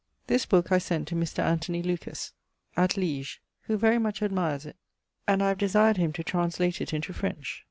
This booke I sent to Mr. Anthony Lucas, at Liege, who very much admires it and I have desired him to translate it into French.